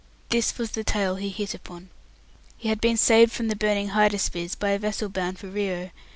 This was the tale he hit upon. He had been saved from the burning Hydaspes by a vessel bound for Rio.